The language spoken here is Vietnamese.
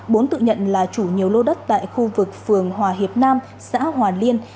bốn tự nhận là chủ nhiều lô đất tại khu vực phường hòa hiệp nam xã hòa liên